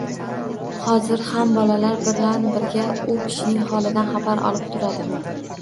Hozir ham bolalari bilan birga u kishining holidan xabar olib turadi